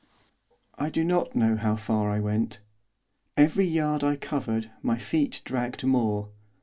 I do not know how far I went. Every yard I covered, my feet dragged more.